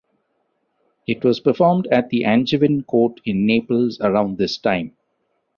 It was performed at the Angevin Court in Naples around this time.